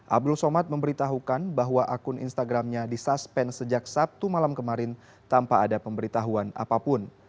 abdul somad memberitahukan bahwa akun instagramnya disuspend sejak sabtu malam kemarin tanpa ada pemberitahuan apapun